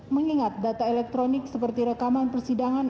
mengingat data elektronik seperti rekaman persidangan